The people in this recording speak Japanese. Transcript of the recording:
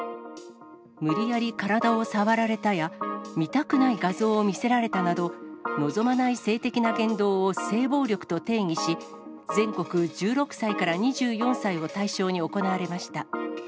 無理やり体を触られたや、見たくない画像を見せられたなど、望まない性的な言動を性暴力と定義し、全国１６歳から２４歳を対象に行われました。